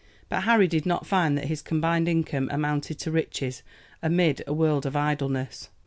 But Harry did not find that his combined income amounted to riches amid a world of idleness.